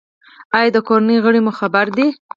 ایا د کورنۍ غړي مو خبر دي؟